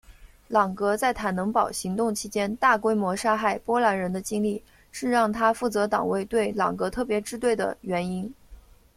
朗格在坦能堡行动期间大规模杀害波兰人的经历是让他负责党卫队朗格特别支队的原因。